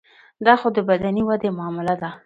دا خو د بدني ودې معامله ده.